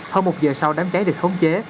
hơn một giờ sau đám cháy được khống chế